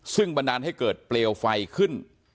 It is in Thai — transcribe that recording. ซึ่งบันดาลให้เกิดเปลวไฟขึ้น